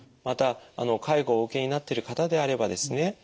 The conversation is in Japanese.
また介護をお受けになってる方であればですね